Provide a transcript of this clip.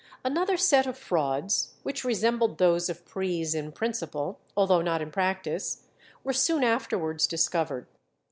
Another set of frauds, which resembled those of Pries in principle, although not in practice, were soon afterwards discovered.